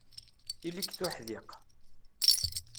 Ili-k d uḥdiq.